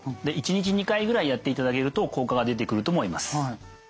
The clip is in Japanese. で１日２回ぐらいやっていただけると効果が出てくると思います。